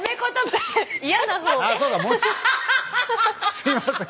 すいません。